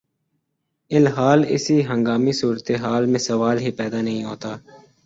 ی الحال اس ہنگامی صورتحال میں سوال ہی پیدا نہیں ہوتا